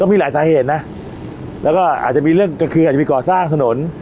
มีหลายสาเหตุนะแล้วก็อาจจะมีเรื่องก็คืออาจจะไปก่อสร้างถนน